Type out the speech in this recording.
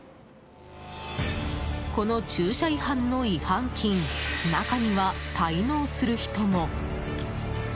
この駐車違反の違反金中には滞納する人も。